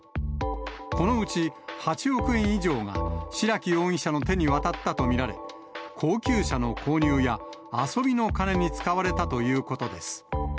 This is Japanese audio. このうち８億円以上が白木容疑者の手に渡ったと見られ、高級車の購入や、遊びの金に使われたということです。